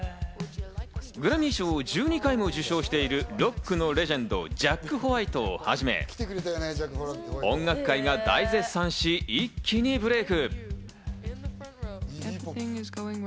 グラミー賞を１２回も受賞しているロックのレジェンド、ジャック・ホワイトをはじめ、音楽界が大絶賛し、一気にブレイク。